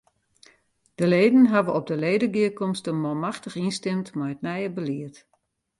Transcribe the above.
De leden hawwe op de ledegearkomste manmachtich ynstimd mei it nije belied.